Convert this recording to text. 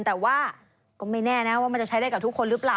แต่ว่าก็ไม่แน่นะว่ามันจะใช้ได้กับทุกคนหรือเปล่า